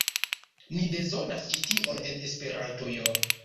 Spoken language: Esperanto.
Ni bezonas ĉi tion en Esperantujo